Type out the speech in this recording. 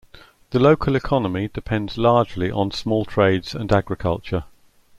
The local economy depends largely on small trades and agriculture.